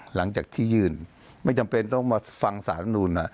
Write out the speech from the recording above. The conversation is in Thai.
หลังจากที่ยื่นไม่จำเป็นต้องมาฟังสารธรรมนูล